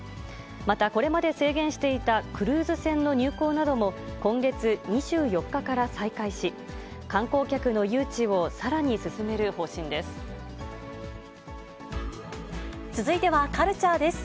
また、これまで制限していたクルーズ船の入港なども今月２４日から再開し、観光客の誘致をさらに進める方針です。